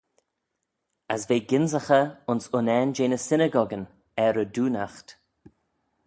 As v'eh gynsaghey ayns unnane jeh ny synagogueyn er y doonaght.